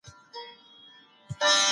انسان مخکي له مخکي د علم ارزښت پېژندلی و.